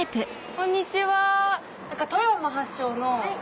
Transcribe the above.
こんにちは。